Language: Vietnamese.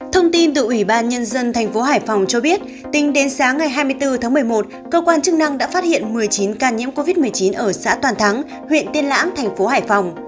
thông tin từ ủy ban nhân dân thành phố hải phòng cho biết tính đến sáng ngày hai mươi bốn tháng một mươi một cơ quan chức năng đã phát hiện một mươi chín ca nhiễm covid một mươi chín ở xã toàn thắng huyện tiên lãng thành phố hải phòng